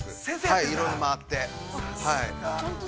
◆はい、いろいろ回って。